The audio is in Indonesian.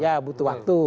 ya betul butuh waktu